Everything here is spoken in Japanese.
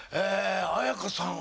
絢香さん